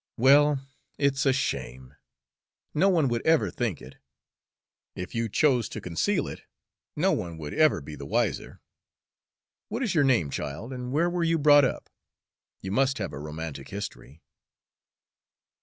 "Well, it's a shame. No one would ever think it. If you chose to conceal it, no one would ever be the wiser. What is your name, child, and where were you brought up? You must have a romantic history."